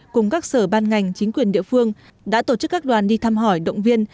cùng các sở ban ngành chính quyền địa phương đã tổ chức các đoàn đi thăm hỏi động viên